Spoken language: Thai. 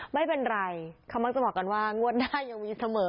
ไม่เป็นไรคำมั้งก็จะบอกกันน่วงวดได้ยังมีเสมอ